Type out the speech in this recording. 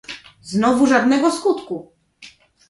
"Znowu żadnego skutku!"